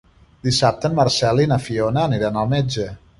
Dissabte en Marcel i na Fiona aniran al metge.